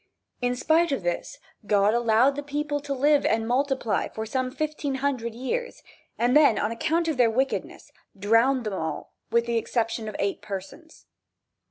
In spite of this, God allowed the people to live and multiply for some fifteen hundred years, and then on account of their wickedness drowned them all with the exception of eight persons.